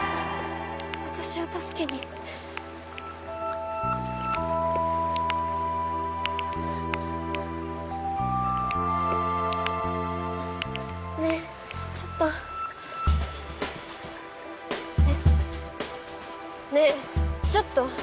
私を助けにねぇちょっとえっねぇちょっと！